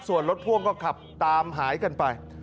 ส่วนรถพ่วงก็ขับตามหายกันไป